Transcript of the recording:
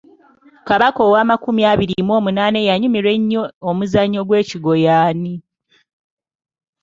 Kabaka ow’amakumi abiri mu omunaana eyanyumirwa ennyo omuzannyo gw’ekigwo y'ani?